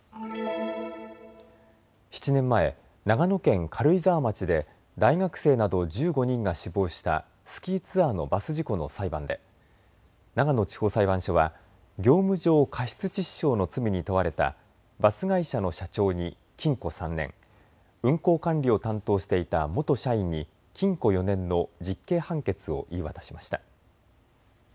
７年前、長野県軽井沢町で大学生など１５人が死亡したスキーツアーのバス事故の裁判で長野地方裁判所は業務上過失致死傷の罪に問われたバス会社の社長に禁錮３年、運行管理を担当していた元社員に禁錮４年の実刑判決を言い渡しました。